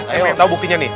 saya beri tahu buktinya nih